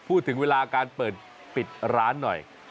พูดถึงเวลาการเปิดปิดร้านหน่อย